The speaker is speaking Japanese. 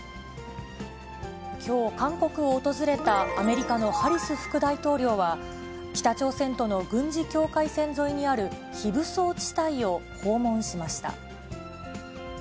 きょう、韓国を訪れたアメリカのハリス副大統領は、北朝鮮との軍事境界線沿いにある非武装地帯を訪問しました。